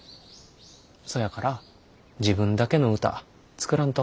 そやから自分だけの歌作らんと。